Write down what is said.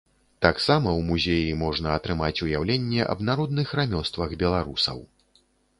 Таксама ў музеі можна атрымаць уяўленне аб народных рамёствах беларусаў.